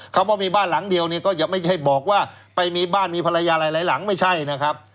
คำว่ามีบ้านหลังเดียวเนี่ยก็จะไม่ใช่บอกว่าไปมีบ้านมีภรรยาหลายหลังไม่ใช่นะครับ